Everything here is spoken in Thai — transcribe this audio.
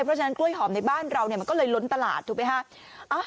เพราะฉะนั้นกล้วยหอมในบ้านเรามันก็เลยล้นตลาดถูกไหมฮะ